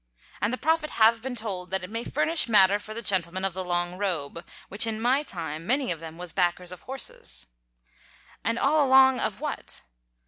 And the Prophet have been told that it may furnish matter for the gentlemen of the long robe—which, in my time, many of them was backers of horses. And all along of what?